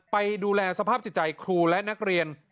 ไปดูแลสภาพจิตใจครูและนักเรียน